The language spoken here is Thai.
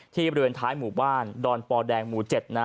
บริเวณท้ายหมู่บ้านดอนปอแดงหมู่๗นะ